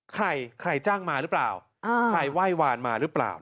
ใครจ้างมาหรือเปล่า